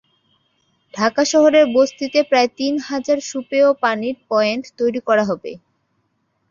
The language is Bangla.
ঢাকা শহরের বস্তিতে প্রায় তিন হাজার সুপেয় পানির পয়েন্ট তৈরি করা হবে।